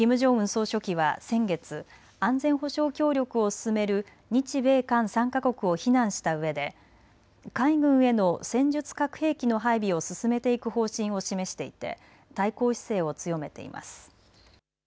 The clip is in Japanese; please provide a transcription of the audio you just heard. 総書記は先月、安全保障協力を進める日米韓３か国を非難したうえで海軍への戦術核兵器の配備を進めていく方針を示していて対抗姿勢を強めています。